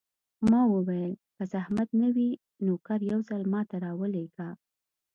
ما وویل: که زحمت نه وي، نوکر یو ځل ما ته راولېږه.